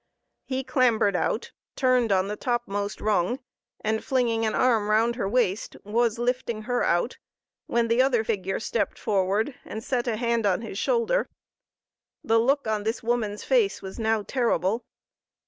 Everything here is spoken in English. He clambered out, turned on the topmost rung, and flinging an arm round her waist, was lifting her out, when the other figure stepped forward and set a hand on his shoulder. The look on this woman's face was now terrible.